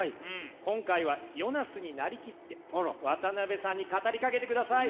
今回はヨナスになり切って渡辺さんに語りかけてください。